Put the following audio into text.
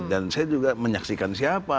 dan saya juga menyaksikan siapa